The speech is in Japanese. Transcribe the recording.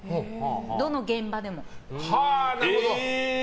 どの現場でも。